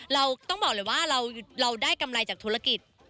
เราต้องบอกเลยว่าเราได้กำไรจากธุรกิจ